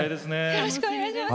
よろしくお願いします。